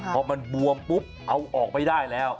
พอมันบวมปุ๊บเอาออกไม่ได้แล้ว